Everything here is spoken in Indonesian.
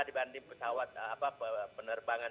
dibanding pesawat penerbangan